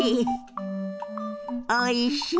「おいしい」。